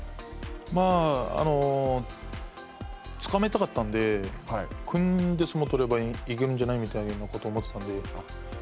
まあ、つかみたかったんで組んで相撲を取ればいけるんじゃないかということを思ってたので。